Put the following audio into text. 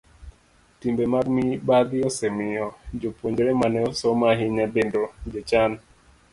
Timbe mag mibadhi osemiyo jopuonjre ma ne osomo ahinya bedo jochan.